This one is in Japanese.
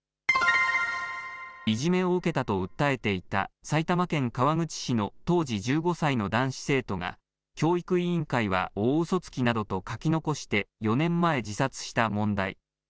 いじめを受けたと訴えていた埼玉県川口市の当時１５歳の男子生徒が、教育委員会は大ウソつきなどと書き残して、４年前、自殺した問題。